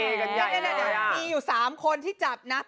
ตอบว่าโดยเจ้านี่หยุด